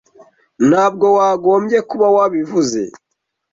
Ntabwo wagombye kuba wabivuze.